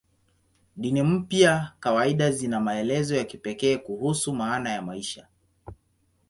Dini mpya kawaida zina maelezo ya kipekee kuhusu maana ya maisha.